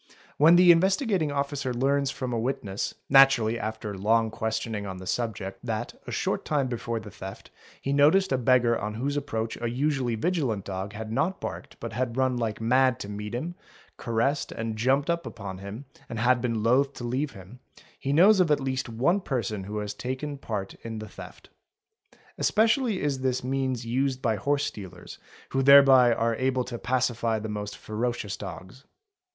When the Investigating Officer learns from a witness, naturally after long questioning on the subject, that, a short — time before the theft, he noticed a beggar on whose approach a usually vigilant dog has not barked but has run like mad to meet him, caressed, and jumped up upon him, and been loath to leave him, he knows of at least one person who has taken part in the theft. Especially is this means used by horse stealers, who thereby are able to pacify the most ee ferocious dogs.